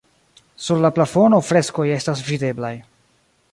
Sur la plafono freskoj estas videblaj.